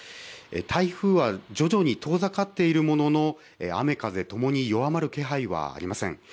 台風は徐々に遠ざかっているものの雨風ともに弱まる気配はありません。